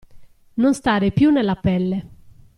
Non stare più nella pelle.